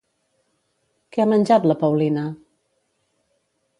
Què ha menjat la Paulina?